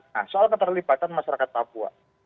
nah soal keterlibatan masyarakat papua